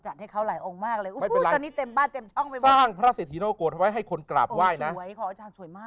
สร้างพระเศรษฐีนักโรคกฏไว้ให้คนกราบไหว้นะ